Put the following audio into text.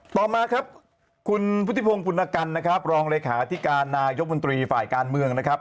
ต่อมาครับคุณพุทธิพงศ์ปุณกันนะครับรองเลขาธิการนายกมนตรีฝ่ายการเมืองนะครับ